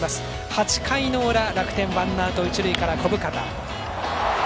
８回の裏、楽天ワンアウト、一塁から小深田。